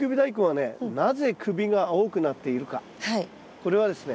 これはですね